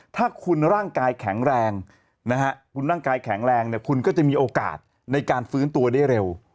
ถ้าคุณร่างกายแข็งแรงคุณก็จะมีโอกาสในการฟื้นตัวได้เร็ว